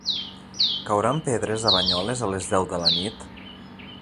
Cauran pedres a Banyoles a les deu de la nit?